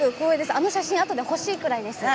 あの写真あとで欲しいです。